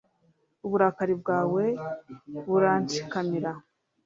uburakari bwawe buranshikamira